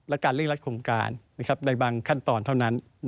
และการเร่งรัดโครงการในบางขั้นตอนเท่านั้น